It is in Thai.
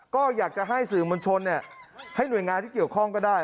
ก็อยากจะให้สื่อมวลชนให้หน่วยงานที่เกี่ยวข้องก็ได้